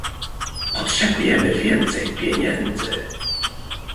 "Potrzebujemy więcej pieniędzy"